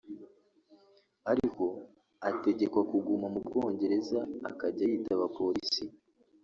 ariko ategekwa kuguma mu Bwongereza akajya yitaba Polisi